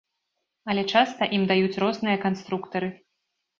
Але часта ім даюць розныя канструктары.